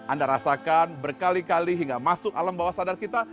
anda rasakan berkali kali hingga masuk alam bawah sadar kita